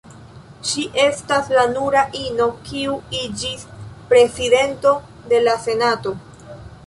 Ŝi estas la nura ino kiu iĝis Prezidento de la Senato.